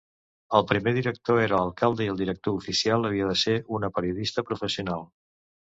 El primer director era l’alcalde i el director oficial havia de ser una periodista professional.